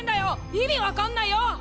意味わかんないよ！